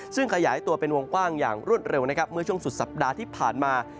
ซึ่งขยายตัวเป็นวงกว้างอย่างรวดเร็วนะครับเมื่อช่วงสุดสัปดาห์ที่ผ่านมา